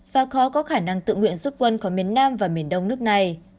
và khó có khả năng tự nguyện rút quân khỏi miền nam và miền đông nước này